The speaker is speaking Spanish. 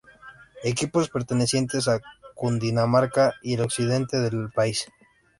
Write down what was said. Equipos pertenecientes a Cundinamarca y el occidente del país.